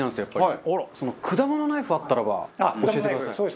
果物ナイフあったらば教えてください。